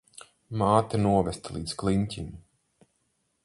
Māte novesta līdz kliņķim.